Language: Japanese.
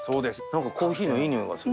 コーヒーのいいにおいがする。